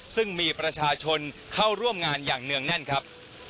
ซึ่งมีประชาชนเข้าร่วมงานอย่างเนื่องแน่นครับ